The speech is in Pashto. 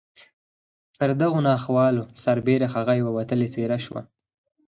پر دغو ناخوالو سربېره هغه یوه وتلې څېره شوه